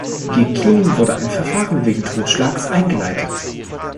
Gegen Keeling wurde ein Verfahren wegen Totschlags eingeleitet.